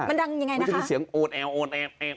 มันจะมีเสียงอุดแอด